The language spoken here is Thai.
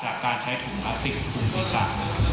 จากการใช้ถุงอาติกถุงสีสาร